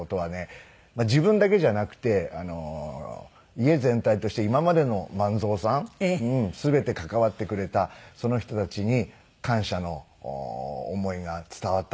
自分だけじゃなくて家全体として今までの万蔵さん全て関わってくれたその人たちに感謝の思いが伝わったんじゃないかなと思って。